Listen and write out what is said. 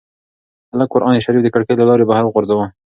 هلک قرانشریف د کړکۍ له لارې بهر وغورځاوه.